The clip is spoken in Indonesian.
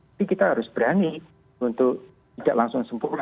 tapi kita harus berani untuk tidak langsung sempurna